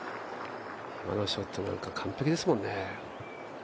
今のショットなんか完璧ですもんね。